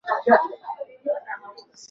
o majukumu ni kweli yanatosha na resources